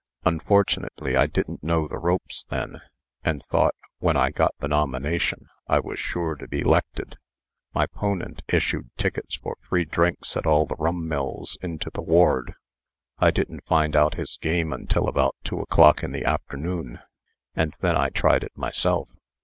Unfortunately, I didn't know the ropes then; and thought, when I got the nomination, I was sure to be 'lected. My 'ponent issued tickets for free drinks at all the rum mills into the ward. I didn't find out his game till about two o'clock in the afternoon, and then I tried it myself.